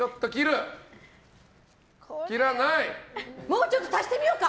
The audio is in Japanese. もうちょっと足してみようか！